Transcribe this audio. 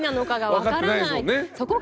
分かってないですもんね。